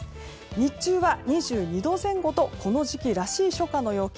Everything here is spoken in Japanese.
日中は２２度前後とこの時期らしい初夏の陽気。